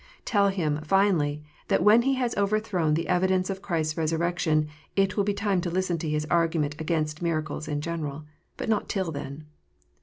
Tell him, finally, that when he has overthrown the evidence of Christ s resurrection, it will be time to listen to his argument against miracles in general, but not till then.